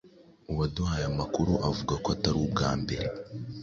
uwaduhaye amakuru avuga ko atari ubwa mbere